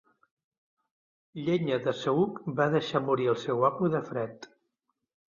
La llenya de saüc va deixar morir el seu amo de fred.